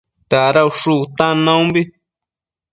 Dada ushu bëtan naumbi